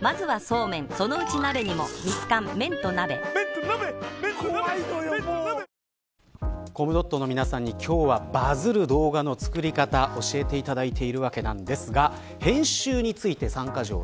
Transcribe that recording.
トーンアップ出たコムドットの皆さんに今日はバズる動画の作り方教えていただいてるわけですが編集について３カ条。